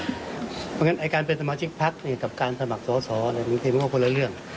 เพราะฉะนั้นการเป็นสมาชิกพักกับการสมัครสอสอบางทีมันก็คนละเรื่อง